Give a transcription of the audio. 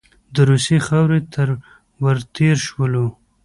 د روسیې خاورې ته ور تېر شولو.